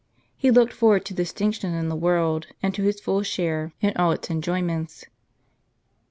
He looked forward to distinction in the world, and to his full share in all its enjoyments.